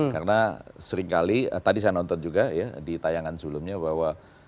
karena seringkali tadi saya nonton juga ya di tayangan sebelumnya bahwa